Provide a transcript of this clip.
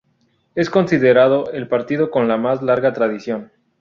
Es considerado el partido con la más larga tradición.